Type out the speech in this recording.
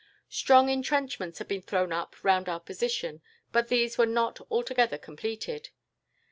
Strong entrenchments had been thrown up round our position, but these were not altogether completed.